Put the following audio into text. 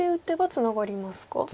ツナがります。